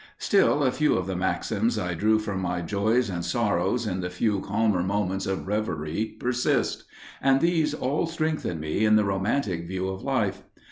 Still, a few of the maxims I drew from my joys and sorrows in the few calmer moments of reverie persist; and these all strengthen me in the romantic view of life.